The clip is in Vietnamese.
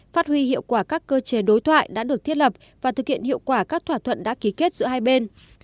phát huy hiệu quả các cơ chế đối thoại đã được thiết lập và thực hiện hiệu quả các thỏa thuận đã ký kết giữa hai bên